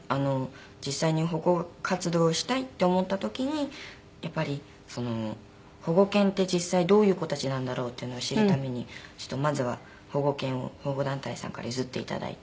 実際に保護活動したいって思った時にやっぱり保護犬って実際どういう子たちなんだろう？っていうのを知るためにまずは保護犬を保護団体さんから譲って頂いて。